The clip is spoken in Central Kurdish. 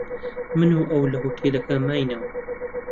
من و ئەو لە هۆتێلەکە ماینەوە.